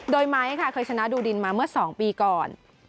โดยไม้ค่ะเคยชนะดูดินมาเมื่อ๒ปีก่อน